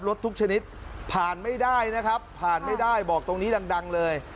ทุกชนิดผ่านไม่ได้นะครับผ่านไม่ได้บอกตรงนี้ดังเลย